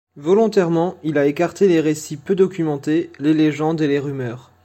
Volontairement, il a écarté les récits peu documentés, les légendes et les rumeurs.